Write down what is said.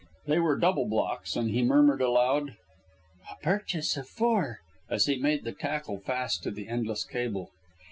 They were double blocks, and he murmured aloud, "A purchase of four," as he made the tackle fast to the endless cable.